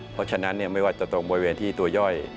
เพราะฉะนั้นไม่ว่าจะตรงบริเวณที่ตัวย่อย